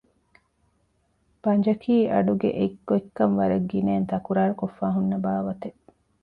ބަނޖަކީ އަޑުގެ އެއްގޮތްކަން ވަރަށް ގިނައިން ތަކުރާރުކޮށްފައި ހުންނަ ބާވަތެއް